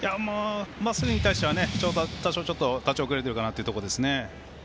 まっすぐに対しては多少、ちょっと遅れてるかなというところですね。